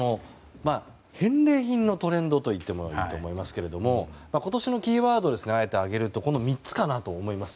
返礼品のトレンドといってもいいと思いますが今年のキーワードをあえて挙げるとこの３つかなと思います。